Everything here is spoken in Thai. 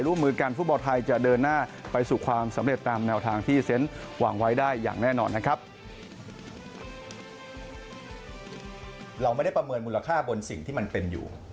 เราไม่ได้ประเมินมูลค่าบนสิ่งที่มันเป็นอยู่